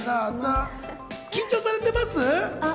緊張されてます？